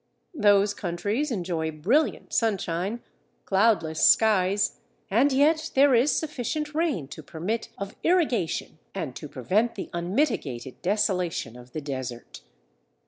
Those countries enjoy brilliant sunshine, cloudless skies, and yet there is sufficient rain to permit of irrigation and to prevent the unmitigated desolation of the desert.